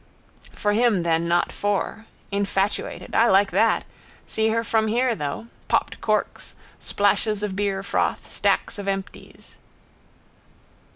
For him then not for. Infatuated. I like that? See her from here though. Popped corks, splashes of beerfroth, stacks of empties.